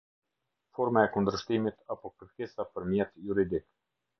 Forma e kundërshtimit apo kërkesa për mjet juridik.